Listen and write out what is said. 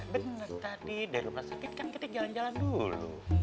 bener tadi dari pasangkan kita jalan jalan dulu